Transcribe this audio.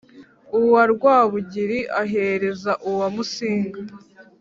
uwa rwábugiri ahereza uwa músinga